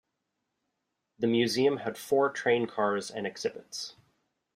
The museum had four train cars and exhibits.